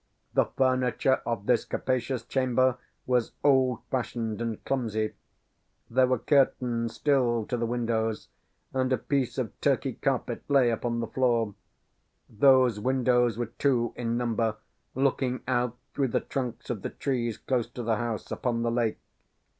The furniture of this capacious chamber was old fashioned and clumsy. There were curtains still to the windows, and a piece of Turkey carpet lay upon the floor; those windows were two in number, looking out, through the trunks of the trees close to the house, upon the lake.